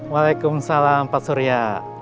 waalaikumsalam pak surya